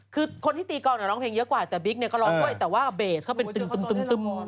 คือคนที่ตีกรอบเนี่ยร้องเพลงเยอะกว่าแต่บิ๊กเนี่ยเขาร้องเบสเขาเป็นตึม